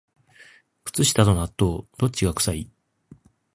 靴下と納豆、どっちが臭い？